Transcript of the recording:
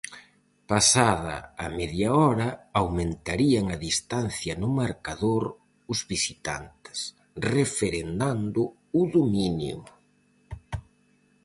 Pasada a media hora aumentarían a distancia no marcador os visitantes referendando o dominio.